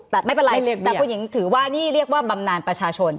แต่ไม่เป็นไรแต่คุณหญิงถือว่านี่เรียกว่าบำนานประชาชน